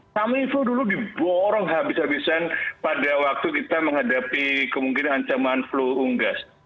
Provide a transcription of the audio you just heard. kami flu dulu diborong habis habisan pada waktu kita menghadapi kemungkinan ancaman flu unggas